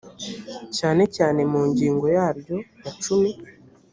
cyane cyane mu ngingo yaryo ya cumi